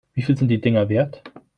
Wie viel sind die Dinger wert?